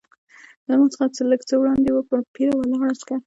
له ما څخه لږ څه وړاندې وه، پر پیره ولاړ عسکر.